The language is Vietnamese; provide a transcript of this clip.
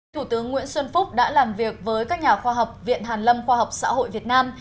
thủ tướng nguyễn xuân phúc đã làm việc với các nhà khoa học viện hàn lâm khoa học xã hội việt nam